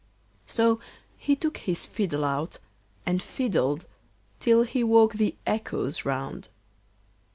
So he took his fiddle out, and fiddled till he woke the echoes round.